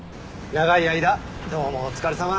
長い間どうもお疲れさま。